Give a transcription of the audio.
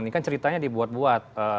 ini kan ceritanya dibuat buat